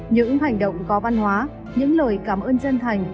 những hành động có văn hóa những lời cảm ơn dân thành